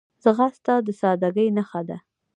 ځغاسته د سادګۍ نښه ده